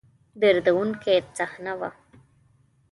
دردوونکې صحنه وه.